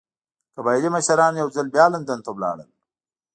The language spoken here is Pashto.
قبایلي مشران یو ځل بیا لندن ته لاړل.